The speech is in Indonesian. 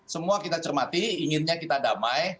semua kita cermati inginnya kita damai